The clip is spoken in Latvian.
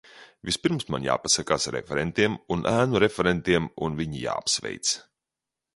Vispirms man jāpasakās referentiem un ēnu referentiem un viņi jāapsveic.